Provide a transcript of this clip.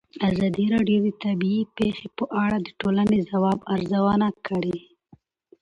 ازادي راډیو د طبیعي پېښې په اړه د ټولنې د ځواب ارزونه کړې.